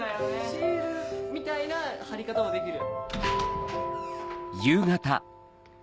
シールみたいな貼り方もできる。